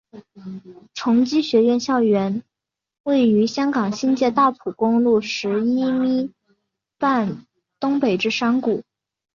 崇基学院校园位于香港新界大埔公路十一咪半东北之山谷。